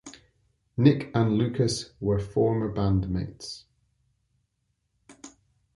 Nick and Lukas were former band Mates.